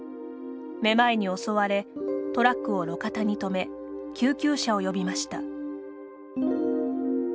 めまいに襲われトラックを路肩に止め救急車を呼びました。